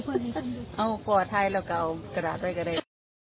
เอ้าพอถ่ายแล้วก็เอากระดาษไว้ก็ได้